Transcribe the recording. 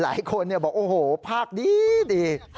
หลายคนบอกโอ้โหภาคดี